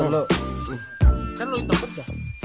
kan lu itu betul